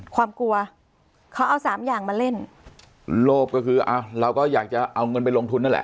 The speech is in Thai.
ความกลัวเขาเอาสามอย่างมาเล่นโลภก็คืออ้าวเราก็อยากจะเอาเงินไปลงทุนนั่นแหละ